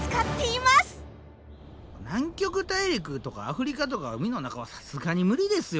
南極大陸とかアフリカとか海の中はさすがに無理ですよ